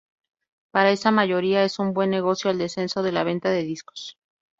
para esa mayoría es un buen negocio el descenso de la venta de discos